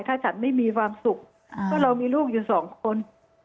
ถ้าฉันไม่มีความสุขก็เรามีลูกอยู่สองคน